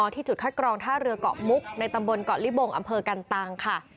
ที่จุดคัดกรองท่าเรือเกาะมุกในตำบลเกาะลิบงอำเภอกันตังค่ะ